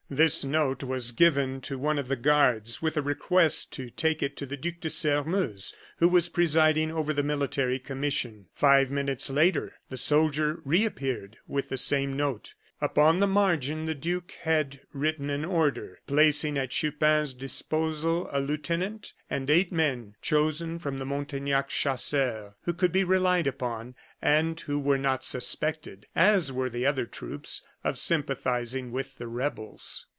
This note was given to one of the guards, with a request to take it to the Duc de Sairmeuse, who was presiding over the military commission. Five minutes later, the soldier reappeared with the same note. Upon the margin the duke had written an order, placing at Chupin's disposal a lieutenant and eight men chosen from the Montaignac chasseurs, who could be relied upon, and who were not suspected (as were the other troops) of sympathizing with the rebels.